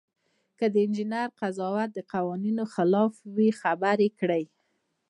که د انجینر قضاوت د قوانینو خلاف وي خبره یې کړئ.